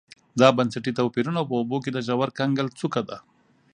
دا بنسټي توپیرونه په اوبو کې د ژور کنګل څوکه ده